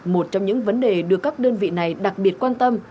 một trong những vấn đề được các đơn vị này đặc biệt quan tâm